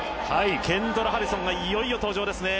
ケンドラ・ハリソンがいよいよ登場ですね。